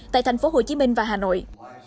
tại thành phố hồ chí minh và hà nội